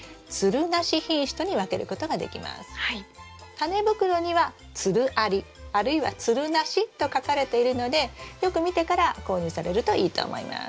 タネ袋には「つるあり」あるいは「つるなし」と書かれているのでよく見てから購入されるといいと思います。